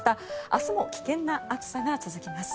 明日も危険な暑さが続きます。